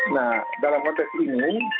nah dalam konteks ini